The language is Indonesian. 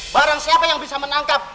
barang siapa yang bisa menangkap